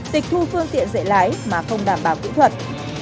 tịch thu phương tiện dạy lái mà không đảm bảo kỹ thuật